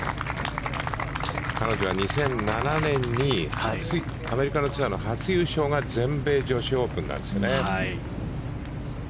彼女は２００７年にアメリカのツアーの初優勝が全米女子オープンなんですよね。